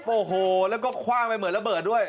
โอ้โหแล้วก็คว่างไปเหมือนระเบิดด้วย